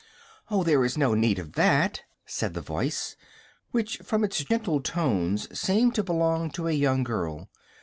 "Oh, there is no need of that," said the voice, which from its gentle tones seemed to belong to a young girl.